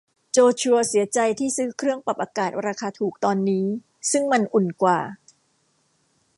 โจชัวเสียใจที่ซื้อเครื่องปรับอากาศราคาถูกตอนนี้ซึ่งมันอุ่นกว่า